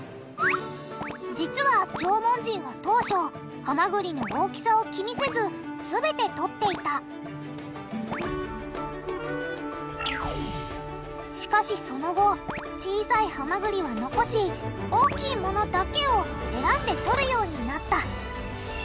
実は縄文人は当初ハマグリの大きさを気にせずすべてとっていたしかしその後小さいハマグリは残し大きいものだけを選んでとるようになった。